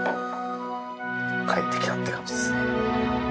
帰ってきたって感じですね。